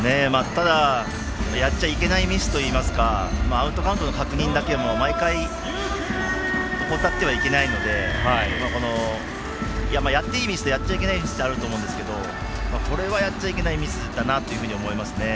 ただ、やっちゃいけないミスといいますかアウトカウントの確認だけは毎回、怠ってはいけないのでやっていいミスとやっちゃいけないミスってあると思うんですけどこれはやっちゃいけないミスだなっていうふうに思います。